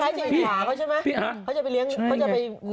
เขาจะไปเรียงเขาจะไปนัดเวลาเลนไทน์กัน